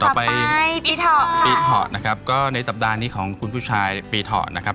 ต่อไปปีถอดค่ะปีถอดนะครับก็ในสัปดาห์นี้ของคุณผู้ชายปีถอดนะครับ